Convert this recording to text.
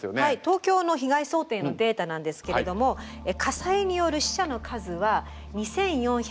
東京の被害想定のデータなんですけれども火災による死者の数は２，４８２人。